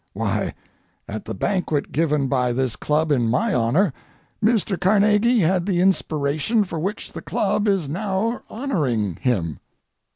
Why, at the banquet given by this club in my honor, Mr. Carnegie had the inspiration for which the club is now honoring him.